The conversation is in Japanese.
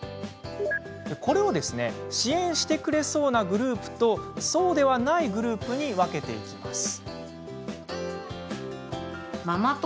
これを支援してくれそうなグループとそうではないグループに分けていきます。